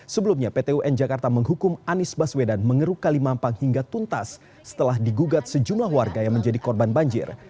sebelumnya pt un jakarta menghukum anies baswedan mengeruk kali mampang hingga tuntas setelah digugat sejumlah warga yang menjadi korban banjir